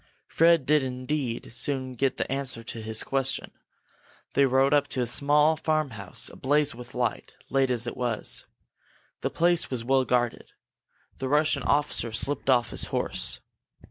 Fred did, indeed, soon get the answer to his question. They rode up to a small farmhouse, ablaze with light, late as it was. The place was well guarded. The Russian officer slipped off his horse.